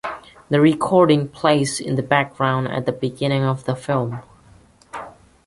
The recording plays in the background at the beginning of the film.